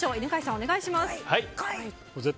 お願いします。